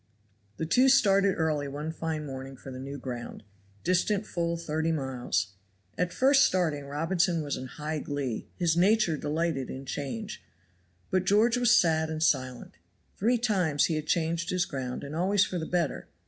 The two started early one fine morning for the new ground, distant full thirty miles. At first starting Robinson was in high glee; his nature delighted in change; but George was sad and silent. Three times he had changed his ground and always for the better.